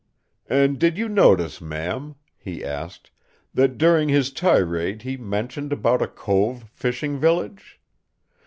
"And did you notice, ma'am," he asked, "that during his tirade he mentioned about a cove fishing village?